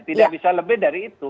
tidak bisa lebih dari itu